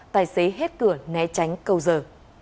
tài xế hết cửa né tránh câu giờ